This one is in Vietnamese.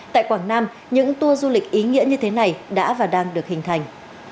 tại quảng nam những tour du lịch ý nghĩa như thế này đã và đang được hình thành